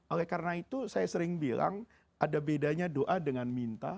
oleh karena itu saya sering bilang ada bedanya doa dengan minta